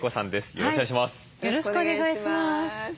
よろしくお願いします。